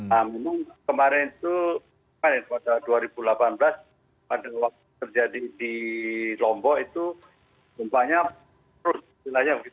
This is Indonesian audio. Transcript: nah memang kemarin itu pada dua ribu delapan belas pada waktu terjadi di lombok itu gempanya terus